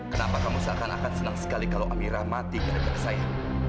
kenapa kamu seakan akan senang sekali kalau amirah mati ketika saya